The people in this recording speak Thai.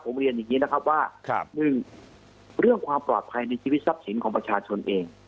ผมเรียนอย่างนี้นะครับว่า๑เรื่องความปลอดภัยในชีวิตทรัพย์สินของประชาชนเอง